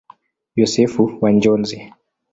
Yosefu wa Njozi.